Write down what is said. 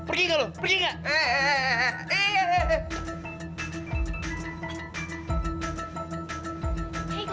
pergi enggak lo pergi enggak